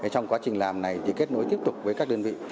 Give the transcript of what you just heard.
trong quá trình làm này thì kết nối tiếp tục với các đơn vị